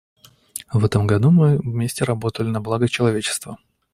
В этом году мы вместе работали на благо человечества.